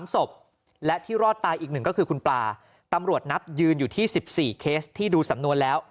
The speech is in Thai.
๓ศพและที่รอดตายอีก๑ก็คือคุณปลาตำรวจนับยืนอยู่ที่๑๔เคสที่ดูสำนวนแล้ว